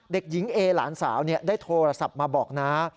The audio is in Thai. เด็กหญิงเอหลานสาวได้โทรศัพท์มาบอกน้า